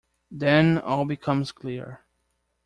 Then all becomes clear.